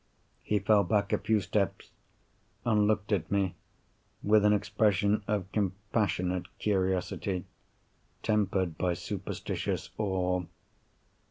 He fell back a few steps, and looked at me with an expression of compassionate curiosity, tempered by superstitious awe.